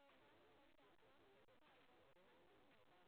Paxtachi, Oqdaryo tumanlaridagi qishloqlar nomi.